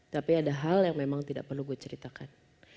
tapi ada hal yang memang tidak perlu gue ceritakan